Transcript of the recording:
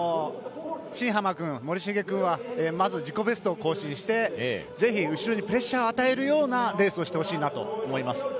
新濱君、森重君はまず自己ベストを更新してぜひ後ろにプレッシャーを与えるようなレースをしてほしいなと思います。